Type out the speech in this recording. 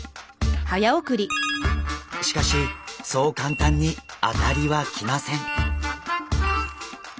しかしそう簡単に当たりはきません。